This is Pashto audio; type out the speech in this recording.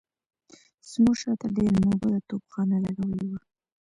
زموږ شاته ډېره نابوده توپخانه لګولې وه.